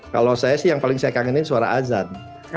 kalau saya sih yang paling saya kangenin suara azan